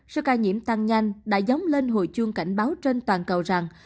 sức ca nhiễm tăng nhanh đã dóng lên hội chuông cảnh báo trên toàn cầu rằng